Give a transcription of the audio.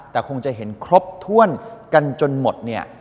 แต่คงจะเห็นครบถ้วนกันจนหมดเนี่ย